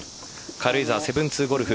軽井沢７２ゴルフ。